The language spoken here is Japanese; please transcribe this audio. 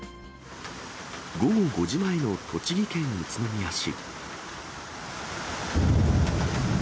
午後５時前の栃木県宇都宮市。